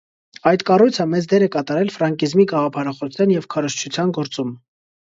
Այդ կառույցը մեծ դեր է կատարել ֆրանկիզմի գաղափարախոսության և քարոզչության գործում։